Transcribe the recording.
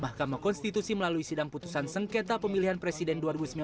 mahkamah konstitusi melalui sidang putusan sengketa pemilihan presiden dua ribu sembilan belas